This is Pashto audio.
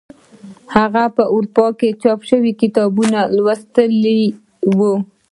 هغه په اروپا کې چاپ شوي کتابونه لوستي وو.